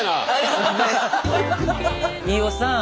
飯尾さん。